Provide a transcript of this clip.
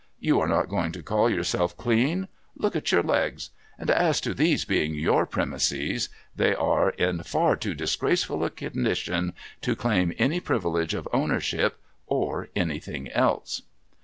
You are not going to call yourself clean ? Look at your legs. And as to these being your premises :— they are in far too disgraceful a condition to claim any privilege of ownership, or anything else.'